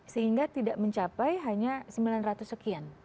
sehingga tidak mencapai hanya sembilan ratus sekian